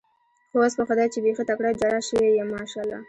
خو اوس په خدای چې بېخي تکړه جراح شوی یم، ماشاءالله.